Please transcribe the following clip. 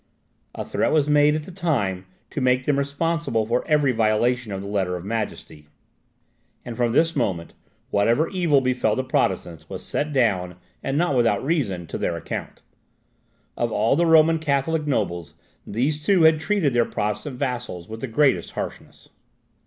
A threat was made at the time to make them responsible for every violation of the Letter of Majesty; and from this moment, whatever evil befell the Protestants was set down, and not without reason, to their account. Of all the Roman Catholic nobles, these two had treated their Protestant vassals with the greatest harshness.